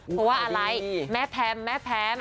เพราะว่าอะไรแม่แพมแม่แพม